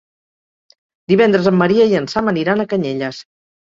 Divendres en Maria i en Sam aniran a Canyelles.